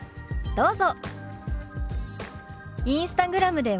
どうぞ。